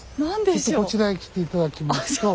ちょっとこちらに来て頂きますと。